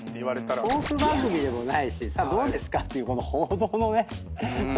トーク番組でもないし「さあどうですか？」っていう報道のとこに呼ばれて。